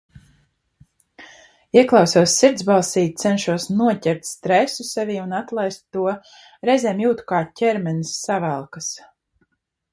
Ieklausos sirdsbalsī, cenšos noķert stresu sevī un atlaist to, reizēm jūtu, kā ķermenis savelkas.